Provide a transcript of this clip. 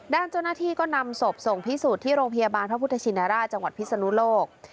ด้านเจ้าหน้าที่ก็นำศพส่งพิสูจน์ที่โรงพยาบาลพระพุทธชินราชจังหวัดพิศนุโลก